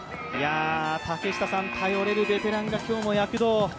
竹下さん、頼れるベテランが今日も躍動。